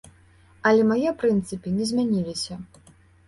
Але мае прынцыпы не змяніліся.